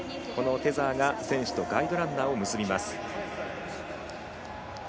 テザーが選手とガイドランナーを結びます。